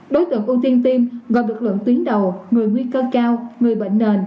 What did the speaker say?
đối tượng ưu tiên tiêm gồm lực lượng tuyến đầu người nguy cơ cao người bệnh nền